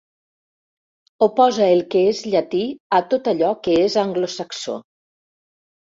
Oposa el que és llati a tot allò que és anglosaxó.